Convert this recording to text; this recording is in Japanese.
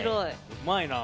うまいなあ。